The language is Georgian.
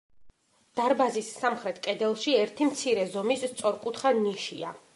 დარბაზის სამხრეთ კედელში ერთი მცირე ზომის სწორკუთხა ნიშია.